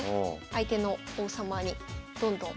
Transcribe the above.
相手の王様にどんどん。